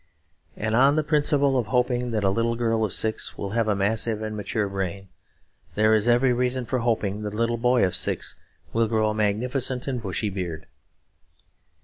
And on the principle of hoping that a little girl of six will have a massive and mature brain, there is every reason for hoping that a little boy of six will grow a magnificent and bushy beard.